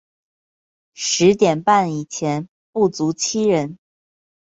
十点半以前不足七人